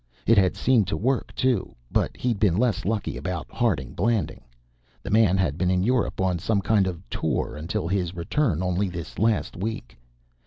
It had seemed to work, too. But he'd been less lucky about Harding Blanding. The man had been in Europe on some kind of a tour until his return only this last week.